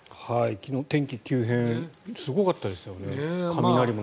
昨日、天気急変すごかったですよね。